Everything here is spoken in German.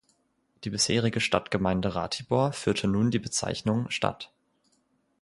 Die bisherige Stadtgemeinde Ratibor führte nun die Bezeichnung "Stadt".